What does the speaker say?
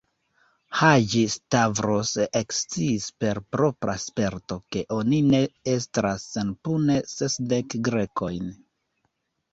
Haĝi-Stavros eksciis per propra sperto, ke oni ne estras senpune sesdek Grekojn.